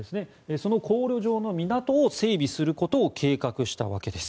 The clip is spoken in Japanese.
その航路上の港を整備することを計画したわけです。